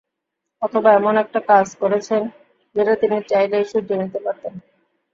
অথবা এমন একটা কাজ করেছেন, যেটা তিনি চাইলেই শুধরে নিতে পারতেন।